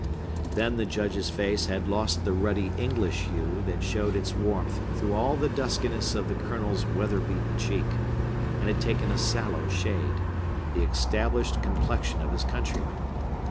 Then the Judge's face had lost the ruddy English hue that showed its warmth through all the duskiness of the Colonel's weather beaten cheek, and had taken a sallow shade, the established complexion of his countrymen.